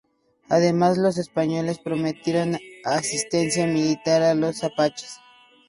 Además los españoles prometieron asistencia militar a los apaches.